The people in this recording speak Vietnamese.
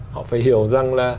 họ phải hiểu rằng là